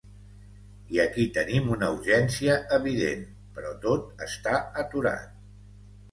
I aquí tenim una urgència evident, però tot està aturat.